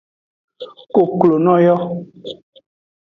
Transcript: Koklono yo.